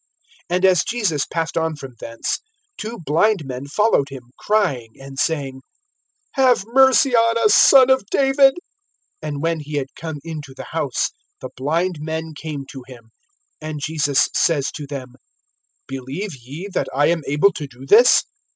(27)And as Jesus passed on from thence, two blind men followed him, crying, and saying: Have mercy on us, Son of David. (28)And when he had come into the house, the blind men came to him. And Jesus says to them: Believe ye that I am able to do this?